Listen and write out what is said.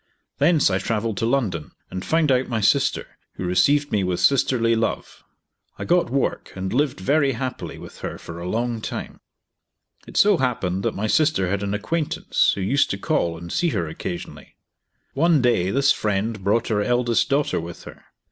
Thence I travelled to London and found out my sister, who received me with sisterly love. I got work and lived very happily with her for a long time. It so happened that my sister had an acquaintance who used to call and see her occasionally. One day this friend brought her eldest, daughter with her.